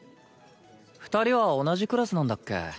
２人は同じクラスなんだっけ？